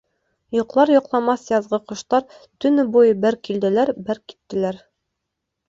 Йоҡлар-йоҡламаҫ яҙғы ҡоштар төнө буйы бер килделәр, бер киттеләр.